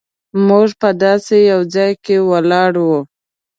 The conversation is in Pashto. موږ په داسې یو ځای کې ولاړ وو.